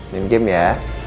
main game ya